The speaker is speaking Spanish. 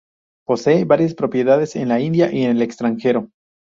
Posee varias propiedades en la India y en el extranjero.